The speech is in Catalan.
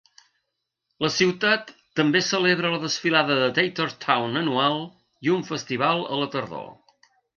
La ciutat també celebra la Desfilada de Tater Town anual i un festival a la tardor.